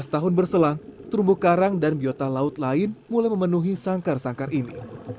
tujuh belas tahun berselang terumbu karang dan biota laut lain mulai memenuhi sangkar sangkar ini